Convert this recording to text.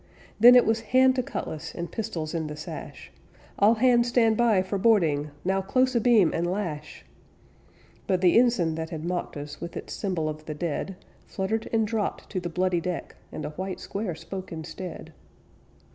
Then it was hand to cutlass, And pistols in the sash. "All hands stand by for boarding, Now, close abeam and lash!" But the ensign that had mocked us With its symbol of the dead Fluttered and dropped to the bloody deck, And a white square spoke instead.